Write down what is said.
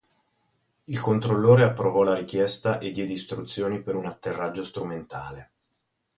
Il controllore approvò la richiesta e diede istruzioni per un atterraggio strumentale.